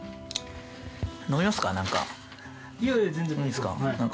飲みますか、何か。